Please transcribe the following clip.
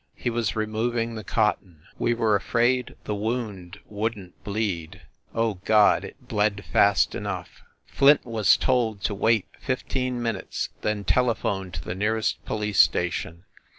He was removing the cotton ... we were afraid the wound wouldn t bleed. ... Oh, God !... it bled fast enough. Flint was told to wait fifteen minutes, then tele phone to the nearest police station.